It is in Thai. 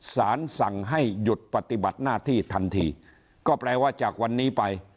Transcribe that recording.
สารสั่งให้หยุดปฏิบัติหน้าที่ทันทีก็แปลว่าจากวันนี้ไป